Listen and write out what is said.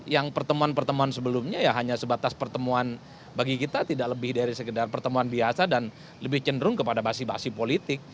yang pertemuan pertemuan sebelumnya ya hanya sebatas pertemuan bagi kita tidak lebih dari sekedar pertemuan biasa dan lebih cenderung kepada basi basi politik